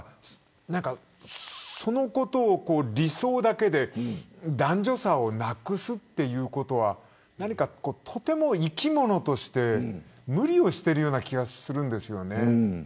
そのことを理想だけで男女差をなくすということは生き物として無理をしているような気がします。